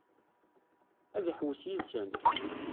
Ad iḥewwes yid-sen?